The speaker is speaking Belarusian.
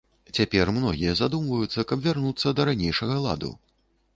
Цяпер многія задумваюцца, каб вярнуцца да ранейшага ладу.